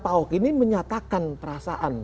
pak ahok ini menyatakan perasaan